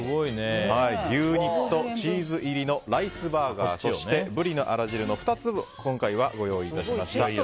牛肉とチーズ入りのライスバーガーそして、ブリのあら汁の２つを今回はご用意いたしました。